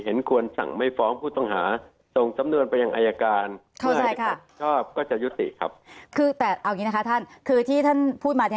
เห็นควรสั่งไม่ฟ้องผู้ต้องหาตรงสำนวนไปอย่างอายการ